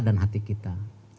dan hati kita